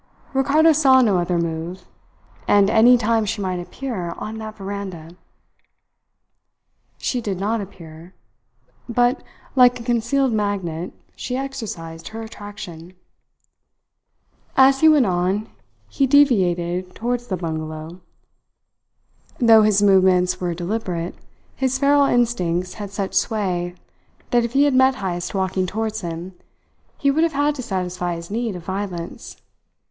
Ricardo saw no other move. And any time she might appear on that veranda! She did not appear; but, like a concealed magnet, she exercised her attraction. As he went on, he deviated towards the bungalow. Though his movements were deliberate, his feral instincts had such sway that if he had met Heyst walking towards him, he would have had to satisfy his need of violence.